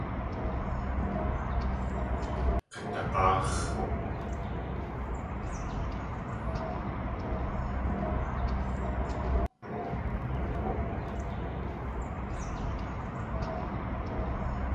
Kadag̲áax̲.